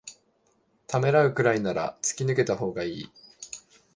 ためらうくらいなら突き抜けたほうがいい